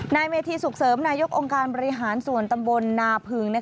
นายเมธีสุขเสริมนายกองค์การบริหารส่วนตำบลนาพึง